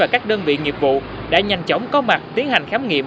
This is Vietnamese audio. và các đơn vị nghiệp vụ đã nhanh chóng có mặt tiến hành khám nghiệm